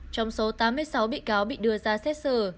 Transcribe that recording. trong số tám mươi sáu bị cáo bị đưa ra xét xử